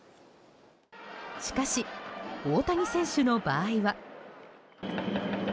しかし、大谷選手の場合は。